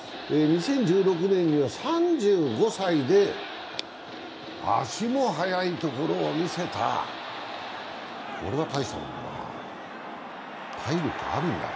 ２０１６年には３５歳で、足も速いところを見せた、これはたいしたもんだ。